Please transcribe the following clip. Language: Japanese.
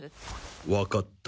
わかった。